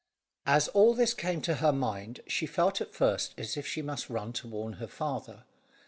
As all this came to her mind, she felt at first as if she must run to warn her father.